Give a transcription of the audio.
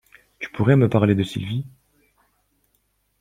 Tu pourrais me parler de Sylvie?